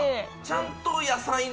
ちゃんと。